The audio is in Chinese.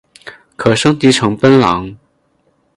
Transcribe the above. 可升级成奔狼。